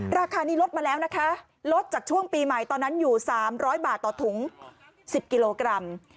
ราคานี้ลดมาแล้วนะคะลดจากช่วงปีใหม่ตอนนั้นอยู่๓๐๐บาทต่อถุง๑๐กิโลกรัม